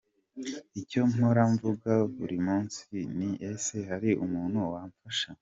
Icyo mpora mvuga buri munsi ni ese hari umuntu wamfasha….